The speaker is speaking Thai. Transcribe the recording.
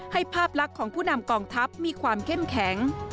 ภาพลักษณ์ของผู้นำกองทัพมีความเข้มแข็ง